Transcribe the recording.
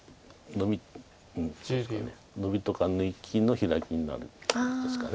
ノビとか抜きの左になるんですか。